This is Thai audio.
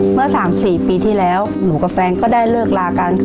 เมื่อ๓๔ปีที่แล้วหนูกับแฟนก็ได้เลิกลากันค่ะ